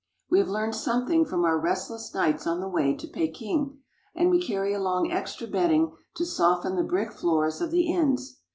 We have learned something from our restless nights on the way to Peking, and we carry along extra bedding to soften the brick floors of the inns.